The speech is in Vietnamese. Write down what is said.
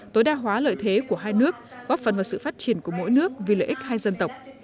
tối đa hóa lợi thế của hai nước góp phần vào sự phát triển của mỗi nước vì lợi ích hai dân tộc